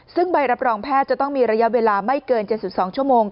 ซึ่งใบรับรองแพทย์จะต้องมีระยะเวลาไม่เกิน๗๒ชั่วโมง